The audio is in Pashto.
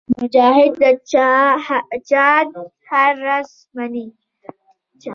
مجاهد د جهاد هر راز منې.